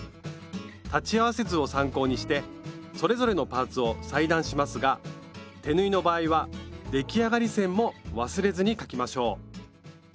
裁ち合わせ図を参考にしてそれぞれのパーツを裁断しますが手縫いの場合は出来上がり線も忘れずに描きましょう。